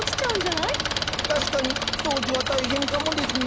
確かに掃除は大変かもですね。